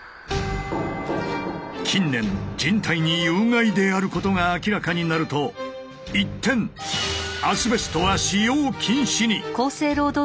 近年人体に有害であることが明らかになると一転アスベストは使用禁止に。